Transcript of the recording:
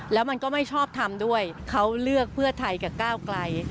แล้วมันก็ไม่ชอบทำด้วยเขาเลือกเพื่อไทยกับก้าวไกล